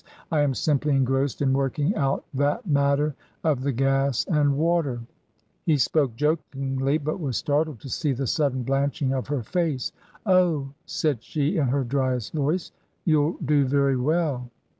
I am simply engrossed in working out that matter of the gas and water." 152 TRANSITION. He spoke jokingly, but was startled to see the sudden blanching of her face. "Oh," said she in her driest voice, "you'll do very well